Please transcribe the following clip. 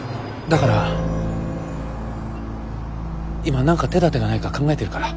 だから今何か手だてがないか考えてるから。